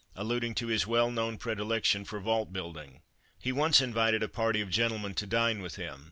alluding to his well known predilection for vault building. He once invited a party of gentlemen to dine with him.